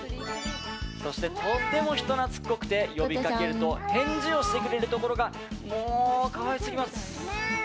そして、とっても人懐っこくて呼びかけると返事をしてくれるところがもう可愛すぎます！